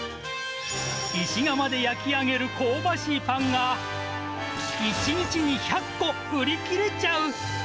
石窯で焼き上げる香ばしいパンが、１日に１００個売り切れちゃう。